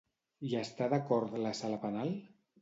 Hi està d'acord la Sala Penal?